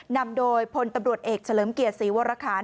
นำโดยพลตำรวจเอกเฉลิมเกียรติศรีวรคาร